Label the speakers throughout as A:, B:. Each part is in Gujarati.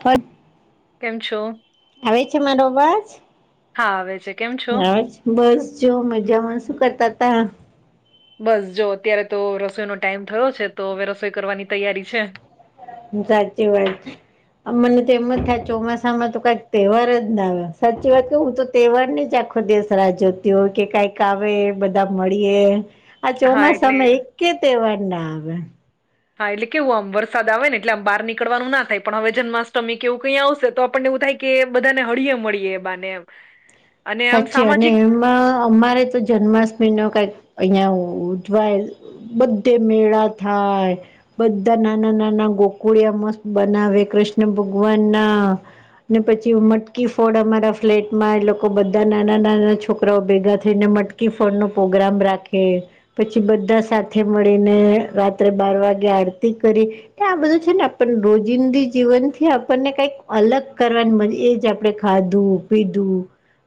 A: હલ
B: કેમ છો?
A: આવે છે મારો અવાજ?
B: હા આવે છે. કેમ છો?
A: આવે છે બસ જો મજામાં. શું કરતા તા?
B: બસ જો અત્યારે તો રસોઈનો ટાઈમ થયો છે તો હવે રસોઈ કરવાની તૈયારી છે.
A: સાચી વાત. મને તો એમજ થાય ચોમાસામાં તો કાંઈક તહેવાર જ ના આવે સાચી વાત કઉં હું તો તહેવારની જ આખો દીવસ રાહ જોતી હોઉં કે કાંઈક આવે, બધા મળીએ. આ
B: હા એટલે
A: ચોમાસામાં એકે તહેવાર ના આવે.
B: હા એટલે કેવું આમ વરસાદ આવે ને એટલે આમ બાર નીકળવાનું ના થાય પણ હવે જન્માષ્ટમી કે એવું કઈ આવશે તો આપણને એવું થાય કે બધાંને હળીયે મળીએ એ બાને એમ અને આમ
A: સાચી અને
B: સામાજિક
A: એમ પણ અમારે તો જન્માષ્ટમીનો કાંઈક અહિયાં ઉજવાયલ બધે મેળા થાય. બધાં નાના નાના ગોકુળિયા મસ્ત બનાવે કૃષ્ણ ભગવાનના. ને પછી મટકી ફોડ અમારા ફ્લેટમાં એ લોક કો બધા નાના નાના છોકરાઓ ભેગા થઈને મટકી ફોડનો પ્રોગ્રામ રાખે. પછી બધા સાથે મળીને રાત્રે બાર વાગે આરતી કરી. કે આ બધું છે ને આપણને રોજિંદી જીવનથી આપણને કાંઈક અલગ કરવાની મજ એ જ આપડે ખાધું, પીધું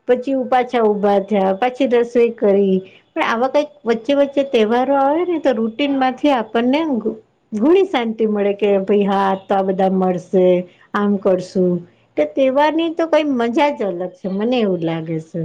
A: પછી ઉ પાછા ઉભા થયા પાછી રસોઈ કરી. ને આવા કાંઈક વચ્ચે વચ્ચે તહેવારો આવે ને તો રૂટીનમાંથી આપણને ઘણી શાંતિ મળે કે ભાઈ હા તા બધાં મળશે, આમ કરશું. કે તહેવારની તો કઈ મજા જ અલગ છે મને એવું લાગે સે.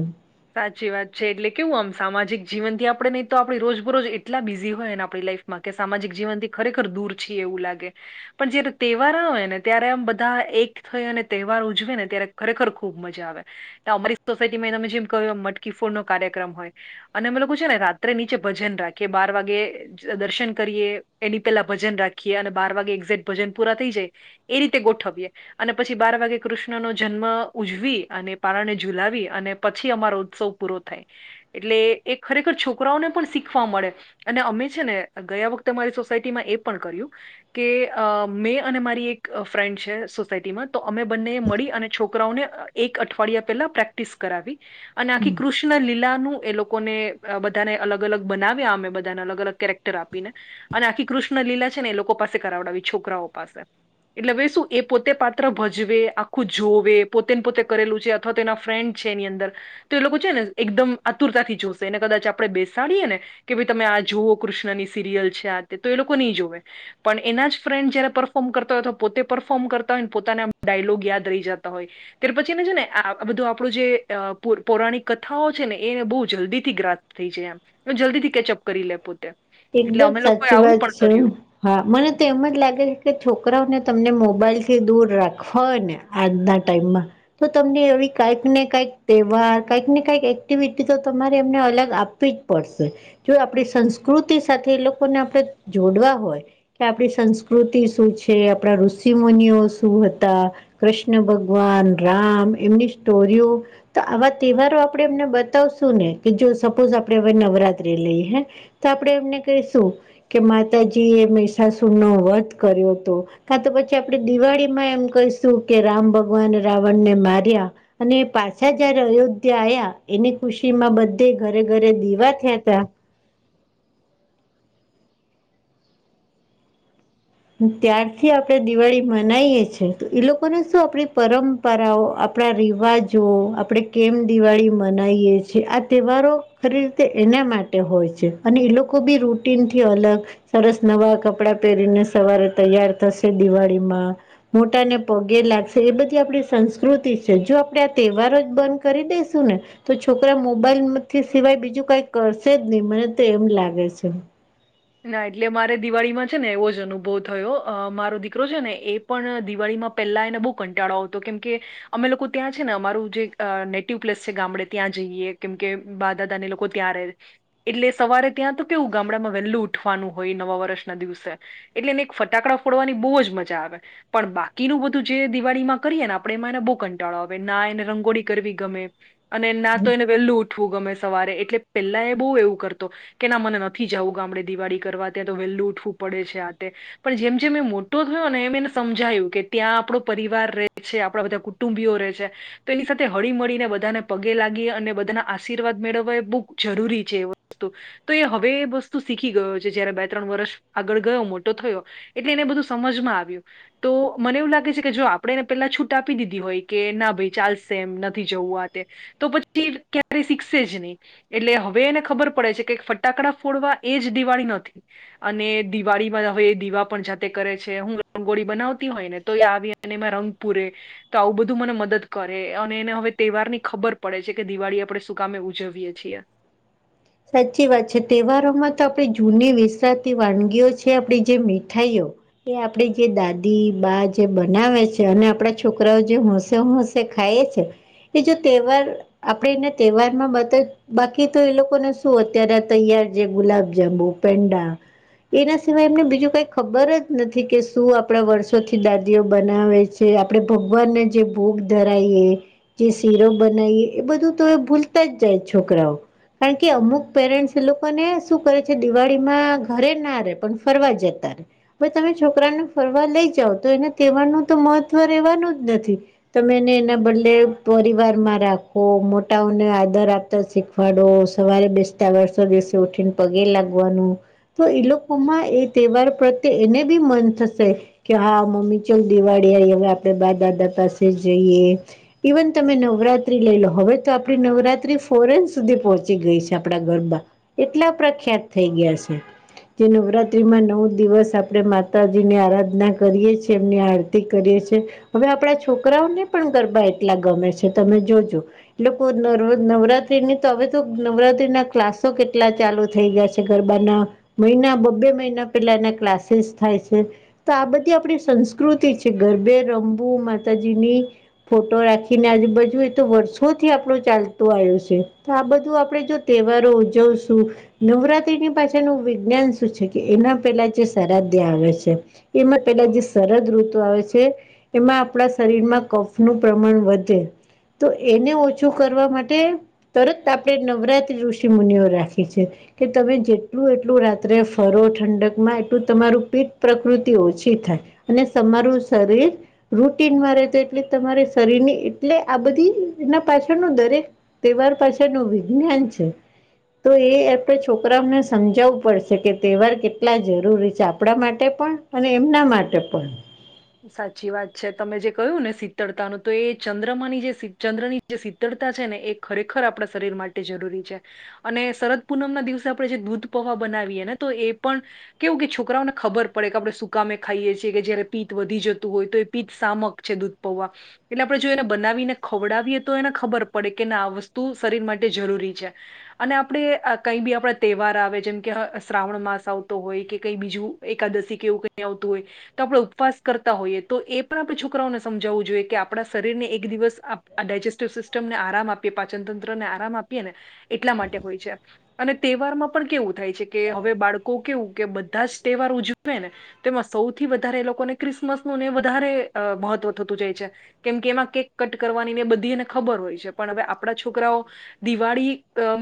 B: સાચી વાત છે એટલે કેવું આમ સામાજિક જીવનથી આપડણે નહી તો આપડી રોજબરોજ એટલા બિઝી હોય ને આપણી લાઈફ માં કે સામાજિક જીવન થી ખરેખર દૂર છ એવું લાગે પણ જયારે તહેવાર હોય ને ત્યારે આમ બધા એક થઈ અને તહેવાર ઉજવે ને ત્યારે ખરેખર ખુબ મજા આવે તો અમારી સોસાયટી માં તમે જેમ મટકી ફોડ નો કાર્યક્રમ હોય અને અમે લોકો છે ને રાત્રે નીચે ભજન રાખીએ બાર વાગે દર્શન કરીએ એની પેલા ભજન રાખીએ અને બાર વાગે એક્ઝેક્ટ ભજન પૂરા થઈ જાય એ રીતે ગોઠવીએ અને પછી બાર વાગે કૃષ્ણનો જન્મ ઉજવી અને પારણને જઝુલાવી અને પ પછી અમારો ઉત્સવ પૂરો થાય એટલે એ ખરેખર છોકરાઓને પણ શીખવા મળે અને અમે છે ને ગયા વખતે મારી સોસાયટીમાં એ પણ કર્યું કે મેં અને મારી એક ફ્રેન્ડ છે સોસાયટીમાં તો અમે બંને મળી અને છોકરાઓને એક અઠવાડિયા પેલા પ્રેક્ટિસ કરાવી અને આખી કૃષ્ણ લીલા નું એ લોકોને બધાને અલગ અલગ બનાવ્યા અમે બધાને અલગ અલગ કેરેક્ટ આપીને અને આખી કૃષ્ણ લીલા છે ને એ લોકો પાસે કરાવડાવી છોકરાઓ પાસે એટલે શું એ પોતે પાત્ર ભજવે આખું જોવે પોતેને પોતે કરેલું છે અથવા તો એના ફ્રેન્ડ છે એની અંદર તો એ લોકો છે ને એકદમ આતુરતાથી જોશે એને કદાચ આપડણે બેસાડીએ ને કે ભાઈ તમે આ જુઓ કૃષ્ણની સિરિયલ છે આ તે તો એ લોકો નહીં જોવે પણ એના જ ફ્રેન્ડ જયારે પરફોર્મ કરતા હોયથ પોતે પરફોર્મ કરતા હોય ને પોતાના ડાયલોગ યાદ રહી જતા હોય તાર પછીને છે ને આ બધું આપણું જે પૌરાણિક કથાઓ છે ને એને બહુ જલ્દી થી ગ્રાપ થઈ જાય એમ જલ્દી થી કેચઅપ કરી લે પોતે એટલે
A: એકદમ
B: અમે લોકોએ
A: સાચી
B: આવું
A: વાત
B: પણ
A: છે
B: કર્યું
A: હા મને તો એમ જ લાગે છે કે છોકરાઓને તમને મોબાઈલ થી દૂર રાખવા હોય ને આજના ટાઈમમાં તો તમને એ કઈક ને કઈક તહેવહર કઈક ને કઈક એક્ટિવિટી તો તમારે એમને અલગ આપ સ [unintelligible] પડશે જો આપણી સંસ્કૃતિ સાથે એ લોકોને આપણે જોડવા હોય કે આપણી સંસ્કૃતિ શું છે આપણા ઋષિ મુનિઓ શું હતા કૃષ્ણ ભગવાન રામ એમની સ્ટોરીઓ તો આવા તહેવારો આપણેે એમને બતાવશું ને કે જો સપોઝ આપણે હવે નવરાત્રી લઈએ હે તો આપણેે એમને કહીશું કે માતાજી એ મે સાસુર નો વર્ત કર્યો હતો કા તો પછી આપે દિવાળીમાં એમ કહીશું કે રામ ભગવાન રાવણને માર્યા અને પાછા જયારે અયોધ્યા આ્યા એની ખુશી માં બધે ઘરે ઘરે દીવા થયા તા ત્યારથી આપણેે દિવાળી મનાવીએ છેએ તો એ લોકોને શું આપણી પરમ પરાઓ આપણા રિવાજો આપણેે કેમ દિવાળી મનાવીએ છીએ આ તહેવારો ખરી રીતે એના માટે હોય છે અને એ લોકો બી રૂટીન થી અલગ સરસ નવા કપડાં પહેરીને સવારે તૈયાર થશે દિવાળીમાં મોટા ને પગે લાગશે એ બધી આપણી સંસ્કૃતિ છે જો આપડે આ તહેવારો જ બંધ કરી દેસું ને તો છોકરા મોબાઈલથી સિવાય બીજું કઈ કરશે જ નહી મને તો એમ લાગે છે
B: ના એટલે મારે દિવાળીમાં છે ને એવો જ અનુભવ થયો મારો દીકરો છે ને એ પણ દિવાળીમાં પહેલાં એને બહુ કંટાળો હતો કેમ કે અમે લોકો ત્યાં છે ને અમારું જે નેટિવ પ્લસ છે ગામડે ત્યાં જઈએ કેમ કે બા દાદા ને લોકો ત્યા્યારે એટલે સવારે ત્યાં તો કેવું ગામડામાં વહેલુ ઉટ ઉઠવાનું હોય નવા વર્ષના દિવસે એટલે એને એક ફટાકડા ફોડવાની બહુ જ મજા આવે પણ બાકીનું બધું જે દિવાળીમાં કરીએ ને આપણે એમાં એને બહુ કંટાળો આવે ના એને રંગોળી કરવી ગમે અને ના તો એને વહેલું ઉઠવું ગમે સવારે એટલે પેલા એ બહુ એવું કરતો કેના મને નથી જવું ગામડે દિવાળી કરવા ત્યાં તો વહેલું ઉઠવું પડે છે આતે પણ જેમ જેમ એ મોટો થયો ને એમ એને સમજાયું કે ત્યાં આપણો પરિવાર રહે છે આપણા બધા કુટુંબી ઓ રે છે તો એની સાથે હળી મળળીને બધાને પગે લાગી અને બધાના આશીર્વાદ મેળવવા એ બહુ જરૂરી છે તો એ હવે એ વસ્તુ શીખી ગયો છે જયારે બે ત્રણ વર્ષ આગળ ગયો મોટો થયો એટલે એને બધું સમજમાં આવ્યું તો મને એવું લાગે છે કે જો આપણે એને પેલા છૂટ આપી દીધી હોય કે ના ભાઈ ચાલશે એમ નથી જવું આ તે તો પછી ક્યારે શીખસે જ નહી એટલે હવે એને ખબર પડે છે કે ફટાકડા ફોડવા એજ દિવાળી નથી અને દિવાળી હવે એ દીવા પણ જાતે કરે છે હું રંગોળી બનાવતી હોય ને તો આવી સનેમાં રંગપુરે એ તો આવું બધું મને મદદ કરે અને એને હવે તહેવાર ની ખબર પડે છે કે દિવાળી આપણે સુું કામે ઉજવીએ છીએ
A: સાચી વાત છે તહેવારોમાં તો આપણી જૂની વિસરાતી વાનગીઓ છે આપડી જે મીઠાઈઓ એ આપડી જે દાદી બા જે બનાવે છે અને આપડા છોકરાઓ જે હોશે હોશે શ ખાય છે કે જો તહેવાર આપણેે એના તહેવાર માં બ બાકી તો એ લોકોને શું અત્યારે તૈયાર જે ગુલાબજ પેંડા એના સિવાય એમને બીજું કઈ ખબર જ નથી કે શું આપણા વર્ષોથી દાદીઓ બનાવે છે જે આપડણે ભગવાનને જે ભોગ ધરાવીએ જે સીરોમ બનાવીએ એ બધું તો એ ભૂલતા જાય છોકરાઓ કારણ કે અમુક પેરેન્ટ્સ એ લોકોને શું કરે છે દિવાળીમાં ઘરે ના રે પણ ફરવા જતા રે ભ તમે છોકરાને ફરવા લઈ જાાવ તો એને તહેવારનું તો મહત્વ રહેવાનું જ નથી તમે એને એના બદલે પરિવારમાં રાખો મોટાઓને આદર આપદર શીખવાડો સવારે બેસતા વર્ષો દિવસે ઉઠીને પગે લાગવાનું તો એઈ લોકોમાં એ તહેવાર પ્રત્યે એને બી મન થશે કે હા મમ્મી ચાલ દિવાળી આવીઈ હવે આપડે બ દાદા પાસે જઈએ ઇવન તમે નવરાત્રી લઈ લો હવે તો આપડી નવરાત્રી ફોરેન સુધી પહોંચે પચી ગઈ છે આપણા ઘરમાં એટલા પ્રખ્યાત થઈ ગયા છે જે નવરાત્રિમાં નવ દિવસ આપણે માતાજીની આરાધના કરીએ છીએ એમની આરતી કરીએ છીએ હવે આપણા છોકરાઓને પણ ગરબા એટલા ગમે છે તમે જોજો એટ લોકો નવરાત્રી ની તો હવે તો નવરાત્રી ના ક્લાસો કેટલા ચાલુ થઈ ગયા છે ગરબાના મહિના બ્બે મહિના પેલાના ક્લાસીસ થાય છે તો આ બધી આપણી સંસ્કૃતિ છે ગરબે રમબુ માતાજીની ફોટો રાખીને આજે બાજુ એ તો વર્ષોથી આપણું ચાલતું આવ્યું છે આ બધું આપણે જો તહેવારો ઉજવશું નવરાત્રીની પાછળનું વિજ્ઞાન શું છે કે એના પેલા જે શરા્ધ્ય આવે છે એમાં પેલા જે સરદ ઋતુ આવે છે એમાં આપણા શરીરમાં કફનુંું પ્રમાણ વધે તો એને ઓછું કરવા માટે તરત આપડણે નવરાત્ર્રી ઋષિ મુનિઓ રાખીએ છીએ કે તમે જેટલું એટલું રાત્રે ફરો ઠંડક માં એટલું તમારું પીઠ પ્રકૃતિ ઓછી થાય અને તમારું શરીર રૂટનમાં રહેતો એટલે તમારે શરીરની એટલે આ બધી એના પાછળનું દરેક તહેવાર પાછળ નું વિજ્ઞાન છે તો એ આપણે છોકરાઓને સમજાવવું પડશે કે તહેવાર કેટલા જરૂરી છે આપણા માટે પણ અને એમના માટે પણ
B: સાચી વાત છે તમે જે કહ્યું ને શીતળતાનું તો એ ચંદ્રમાની જે ચંદ્રની જે શીતળતા છે ને એ ખરેખર આપણા શરીર માટે જરૂરી છે અને શરદ પૂનમ ના દિવસે આપણે જે દૂધ પહા બનાવીએે ને તો એ પણ કેવું કે છોકરાઓને ખબર પડે કે આપણે સુકામે ખાઈએ છીએ કે જયારે પિતત વધી જતું હોય તો એ પિતત શામક છે દૂધ પૌવા એટલે આપણે જો એને બનાવીને ખવડાવીએ તો એને ખબર પડે કે ના આ વસ્તુ શરીર માટે જરૂરી છે અને આપણે કઈ બી આપણા તહેવાર આવે જેમ કે શ્રાવણ માસ આવતો હોય કે કઈ બીજું એકાદશી કે એવું કંઈ આવતું હોય તો આપડે ઉ વાસ કરતા હોઈએ તો એ પણ આપણે છોકરાઓને સમજાવવું જોઈએ કે આપણા શરીરને એક દિવસ આ આ ડાયજેસ્ટિવ સિસ્ટમને આરામ આપીએ, પાચનતંત્રને આરામ આપીએ ને એટલા માટે હોય છે. અને તહેવાર માં પણ કેવું થાય છે કે હવે બાળકો કેવું કે બધા જ તહેવાર ઉજવે ને તેમાં સૌથી વધારે એ લોકોને ક્રિસમસનું ને એ વધારે મહત્વ થતું જાય છે. કેમ કે એમાં કેક કટ કરવાની ને બધી એને ખબર હોય છે પણ હવે આપણા છોકરાઓ દિવાળી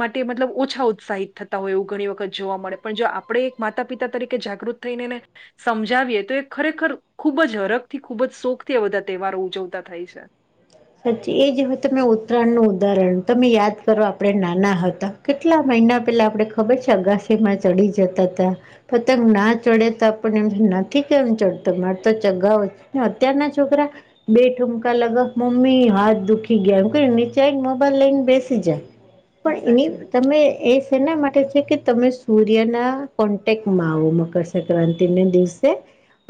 B: માટે મતલબ ઓછા ઉત્સાહિત થતા હોય એવું ઘણી વખત જોવા મળે પણ જો આ આપણે એક માતા પિતા તરીકે જાગૃત થઈને એને સમજાવીએ તો એ ખરેખર ખુબ જ હરખ થી, ખુબ જ શોખથી આ બધા તહેવારો ઉજવતા થાય છે.
A: સાચી એ જ હવે તમે ઉત્તરાયણનું ઉદાહરણ, તમે યાદ કરો આપણેે નાના હતાં કેટલા મહિના પેલા આપડે ખબર છે અગાસીમાં ચડી જતા હતાં. પતંગ ના ચડે તો આપણને એમ નથી કેમ ચડતો માર તો ચગાવો છે. ને અત્યારના છોકરા બે ઠૂમકા લગાવ મમ્મી હાથ દુખી ગયા, એમ કઈન નીચે આઈન મોબાઈલ લઈને બેેશી જા. પણ એની
B: સાચી વાત
A: તમે એ તેના માટે છે કે તમે સૂર્યના કોન્ટેક્ટમાં આવો મકરસક્રાતિને દિવસે.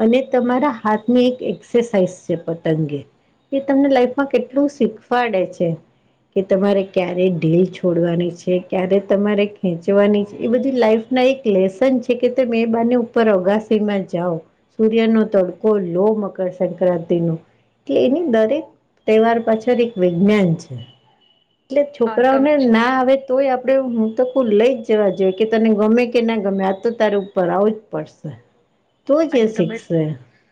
A: અને તમારા હાથની એક એક્સરસાઇઝ છે પતંગે. એ તમને લાઈફમાં કેટલું શીખવાડે છે. કે તમારે ક્યારે ઢીલ છોડવાની છે, ક્યારે તમારે ખેંચવાની છે એ બધી લાઈફ ને આ એક લેસન છે કે તમે એ બાહને ઉપર અગાસીમાં જાવ. સૂર્યનો તડકો લો મકરસક્રાંતિનો એટલે એની દરેક તહેવાર પાછળ એક વિજ્ઞાન છે એટલે
B: હા તમે
A: છોકરાઓને
B: જ-
A: ના આવે તોય આપણે હું તો કઉ લઈ જ જવા જોઈએ કે તને ગમે કે ના ગમે આજ તો તારે ઉપર આવવું જ પડશે. હ
B: આટલે તમે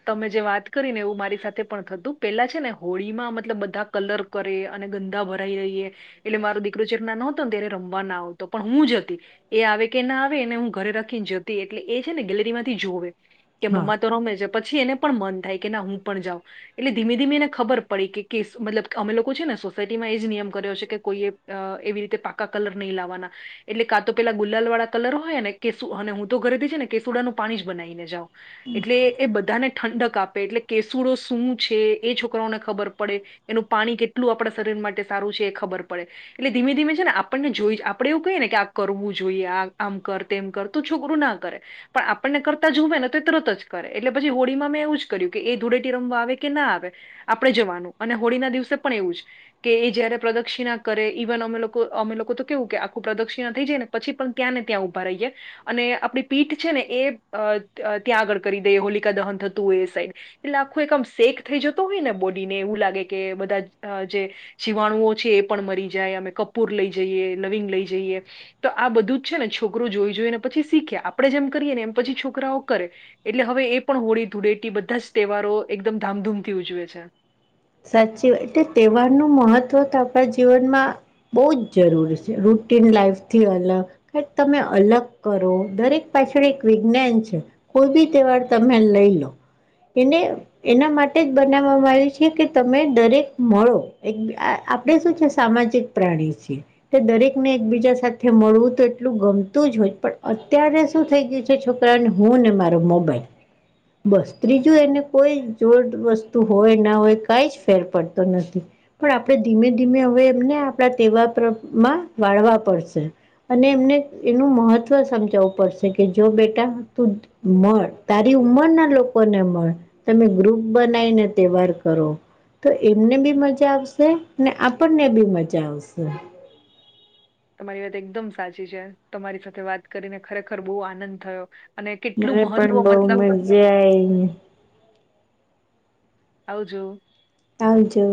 B: તમે જે વાત કરી ને એવું મારી સાથે પણ થતું પેલા છે ને હોળીમાં મતલબ બધાં કલર કરે અને ગંદા ભરાઈ રઈએ એટલે મારો દીકરો જ્યારના નહતોને ત્યારે રમવા ના આવતો પણ હું જતી. એ આવે કે ના આવે એને હું ઘરે રાખીને જતી એટલે એ છેને ગેલેરીમાંથી જોવે. કે મમ્મા તો રમે છે પછી એને પણ મન થાય કે ના હું પણ જાઉં. એટલે ધીમે ધીમે એને ખબર પડી કે કેશ મતલબ કે અમે લોકો છે ને સોસાયટીમાં એ જ નિયમ કર્યો છે કે કોઈએ અ એવી રીતે પાકા કલર નહીં લાવાના. એટલે કા તો પેલા ગુલાલવાળા કલર હોય ને કેસુ અને હું તો ઘરેથી છે ને કેસુડાનું પાણી જ બનાઈને એટલે એ બધાને ઠંડક આપે એટલે કેસુડો શું છે એ છોકરાઓને ખબર પડે. એનું પાણી કેટલું આપણા શરીર માટે સારું છે એ ખબર પડે. એટલે ધીમે ધીમે છે ને આપણને જોઈ આપણે એવું કહીએ કે આ કરવું જોઈએ આ આમ કર. તેમ કર તો છોકરું ના કરે પણ આપણને કરતાં જોવે ને તો એ તરત જ કરે એટલે પછી હોળીમાં મે એવું જ કર્યું કે એ ધૂળેટી રમવા આવે કે ના આવે આપણે જવાનું અને હોળીના દિવસે પણ એવું જ. કે એ જયારે પ્રદક્ષિણા કરે ઈવન અમે લોકો અમે લોકો તો કેવું કે આખું પ્રદક્ષિણા થઈ જાયને પછી પણ ત્યાં ને ત્યાં ઊભા રહીએ અને આપડી પીઠ છે ને એ અ ત્યાં આગળ કરી દઈએ હોલિકા દહન થતું હોય એ સાઈડ એટલે આખું એક આમ શેક થઈ જતો હોય ને બોડી ને એવું લાગે કે બધા અ જે જીવાણુઓ છે એ પણ મરી જાય અમે કપૂર લઈ જઈએ, લવિંગ લઈ જઈએ. તો આ બધું જ છે ને છોકરું જોઈ જોઈને પછી શીખે આપણે જેમ કરીએને એમ પછી છોકરાઓ કરે. એટલે હવે એ પણ હોળી ધૂળેટી બધા જ તહેવારો એકદમ ધામધૂમથી ઉજવે છે.
A: સાચી વાત એટલે તહેવારનું મહત્વ તો આપણા જીવનમાં બઉ જ જરૂરી છે રૂટીન લાઈફથી અલગ. તમે અલગ કરો દરેક પાછળ એક વિજ્ઞાન છે. કોઈ બી તહેવાર તમે લઈ લો એને એના માટે જ બનાવવામાં આવી છે કે તમે દરેક મળો એક આપણે શું છે સામાજિક પ્રાણી છીએ. કે દરેકને એકબીજા સાથે મળવું તો એટલું ગમતું જ હોય પણ અત્યારે શું થઈ ગયું છે. છોકરા ને હું ને મારો મોબાઈલ બસ ત્રીજું એને કોઈ જોડ વસ્તુ હોય ના હોય કઈ જ ફેર પડતો નથી. પણ આપણે ધીમે ધીમે હવે એમને આપણા તેવામાં વાળવા પડશે. અને એમને એનું મહત્વ સમજાવવું પડશે કે જો બેટા તું મળ તારી ઉંમરના લોકોને મળ તમે ગ્રુપ બનાવીને તહેવાર કરો. તો એમને બી મજા આવશે ને આપણને બી મજા આવશે.
B: તમારી વાત એકદમ સાચી છે તમારી સાથે વાત કરીને ખરેખર બહુ આનંદ થયો. અને કેટલું
A: મને પણ
B: મહત્વ મતલબ
A: [inaudible]
B: આવજો.
A: આવજો.